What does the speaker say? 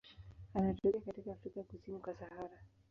Anatokea katika Afrika kusini kwa Sahara.